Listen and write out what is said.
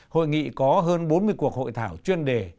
hội nghị có hơn bốn mươi cuộc hội thảo chuyên đề